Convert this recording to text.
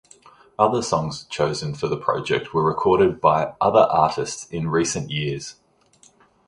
Other songs chosen for the project were recorded by other artists in recent years.